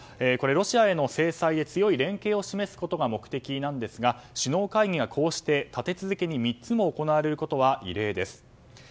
これ、ロシアへの制裁で強い連携を示すことが目的ですが、首脳会議がこうして立て続けに３つも行われることは異例です。